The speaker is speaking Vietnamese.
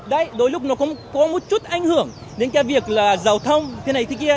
đấy đôi lúc nó cũng có một chút ảnh hưởng đến cái việc là giao thông thế này thế kia